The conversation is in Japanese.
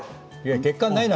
血管ないの？